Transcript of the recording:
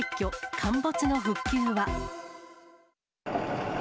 陥没の復旧は。